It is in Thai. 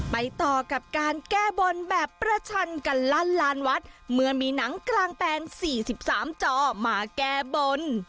ไปต่อกับการแก้บนแบบประชันกันลั่นลานวัดเมื่อมีหนังกลางแปลง๔๓จอมาแก้บน